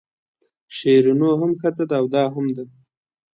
شیرینو هم ښځه ده او دا هم ده.